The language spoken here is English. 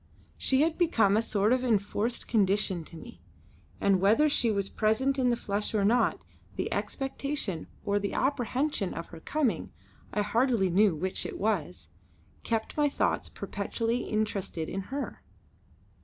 She had become a sort of enforced condition to me, and whether she was present in the flesh or not, the expectation or the apprehension of her coming I hardly knew which it was kept my thoughts perpetually interested in her.